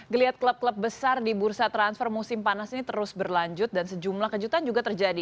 geliat klub klub besar di bursa transfer musim panas ini terus berlanjut dan sejumlah kejutan juga terjadi